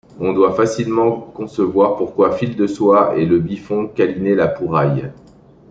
On doit facilement concevoir pourquoi Fil-de-Soie et le Biffon câlinaient La Pouraille.